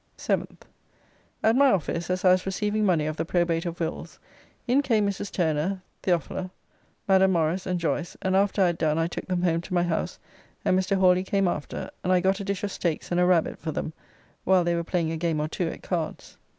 7th. At my office as I was receiving money of the probate of wills, in came Mrs. Turner, Theoph., Madame Morrice, and Joyce, and after I had done I took them home to my house and Mr. Hawly came after, and I got a dish of steaks and a rabbit for them, while they were playing a game or two at cards.